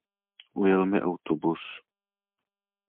Ujel mi autobus.